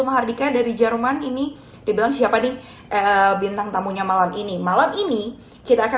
mahardika dari jerman ini dibilang siapa nih bintang tamunya malam ini malam ini kita akan